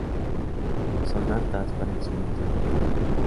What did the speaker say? Sonatas para instrumento de tecla.